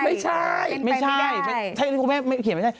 ไม่ใช่ไม่ใช่เพราะว่าคุณแม่เขียนไม่ใช่